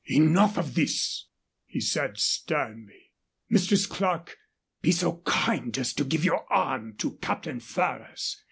"Enough of this," he said, sternly. "Mistress Clerke, be so kind as to give your arm to Captain Ferrers.